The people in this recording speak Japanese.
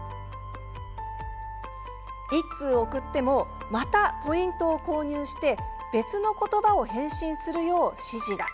１通送ってもまたポイントを購入して別の言葉を返信するよう指示が。